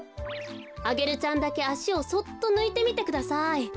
アゲルちゃんだけあしをそっとぬいてみてください。